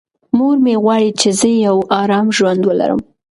مور مې غواړي چې زه یو ارام ژوند ولرم.